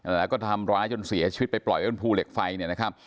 แล้วก็ทำร้ายจนเสียชีวิตไปปล่อยไว้บนภูเหล็กไฟเนี่ยนะครับ